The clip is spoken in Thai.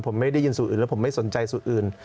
ผมไม่ได้ยินสูตรอื่นแล้วผมไม่สนใจสูตรอื่น